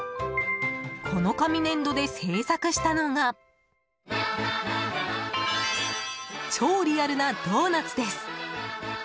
この紙粘土で制作したのが超リアルなドーナツです。